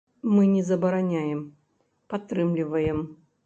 Мы не забараняем, падтрымліваем.